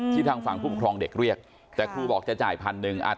ที่ทางฝั่งผู้ปกครองเด็กเรียกแต่ครูบอกจะจ่าย๑๐๐๐บาท